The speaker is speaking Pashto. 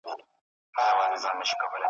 اوسېده په یوه کورکي له کلونو `